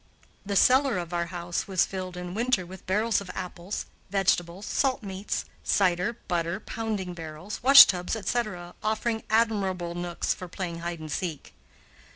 The cellar of our house was filled, in winter, with barrels of apples, vegetables, salt meats, cider, butter, pounding barrels, washtubs, etc., offering admirable nooks for playing hide and seek.